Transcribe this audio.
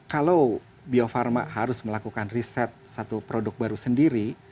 kalau bio farma harus melakukan riset satu produk baru sendiri